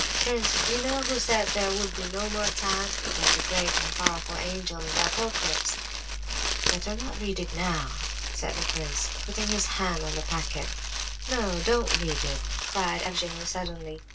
Prince, you know who said there would be 'no more time'? It was the great and powerful angel in the Apocalypse." "Better not read it now," said the prince, putting his hand on the packet. "No, don't read it!" cried Evgenie suddenly.